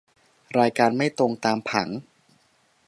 รายการไม่ตรงตามผัง